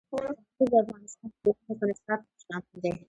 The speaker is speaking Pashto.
پامیر د افغانستان د پوهنې په نصاب کې شامل دی.